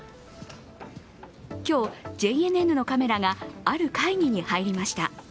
今日、ＪＮＮのカメラがある会議に入りました。